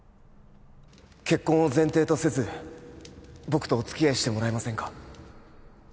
結婚を前提とせず僕とお付き合いしてもらえませんか？